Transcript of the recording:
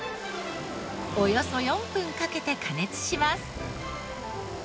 およそ４分かけて加熱します。